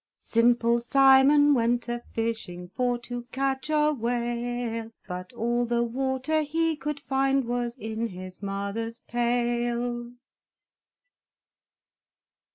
Simple Simon went a fishing For to catch a whale; But all the water he could find Was in his mother's pail!